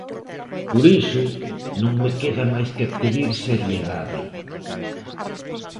Por iso, non me queda máis que pedir seriedade.